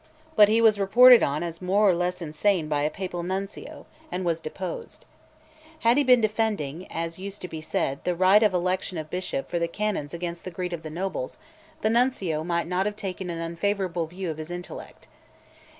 But he was reported on as more or less insane by a Papal Nuncio, and was deposed. Had he been defending (as used to be said) the right of election of Bishop for the Canons against the greed of the nobles, the Nuncio might not have taken an unfavourable view of his intellect.